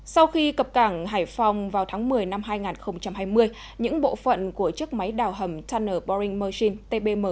sau khi cập cảng hải phòng vào tháng một mươi năm hai nghìn hai mươi những bộ phận của chiếc máy đào hầm tunner boeing machine tbm